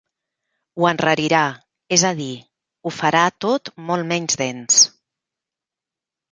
Ho enrarirà, és a dir, ho farà tot molt menys dens.